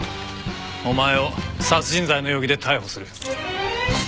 お前を殺人罪の容疑で逮捕する。